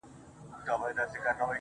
تنکی رويباره له وړې ژبي دي ځارسم که نه.